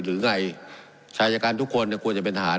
หรือไงชายการทุกคนเนี่ยควรจะเป็นทหาร